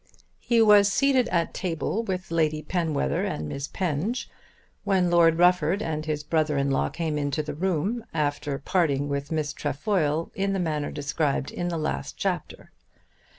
He was seated at table with Lady Penwether and Miss Penge when Lord Rufford and his brother in law came into the room, after parting with Miss Trefoil in the manner described in the last chapter.